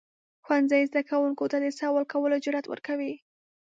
ښوونځی زده کوونکو ته د سوال کولو جرئت ورکوي.